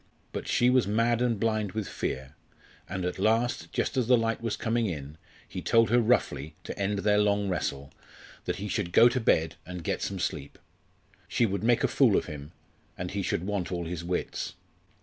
But she was mad and blind with fear, and at last, just as the light was coming in, he told her roughly, to end their long wrestle, that he should go to bed and get some sleep. She would make a fool of him, and he should want all his wits.